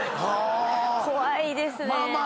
怖いですね。